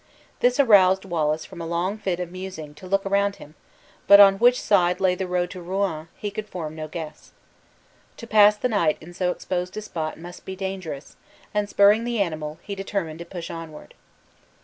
This aroused Wallace from a long fit of musing to look around him; but on which side lay the road to Rouen, he could form no guess. To pass the night in so exposed a spot might be dangerous, and spurring the animal, he determined to push onward.